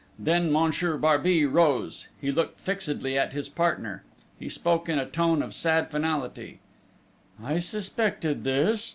Then Monsieur Barbey rose. He looked fixedly at his partner. He spoke in a tone of sad finality: "I suspected this!...